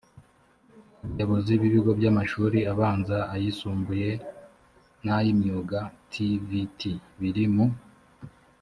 abayobozi b ibigo by amashuri abanza ayisumbuye n ay imyuga tvet biri mu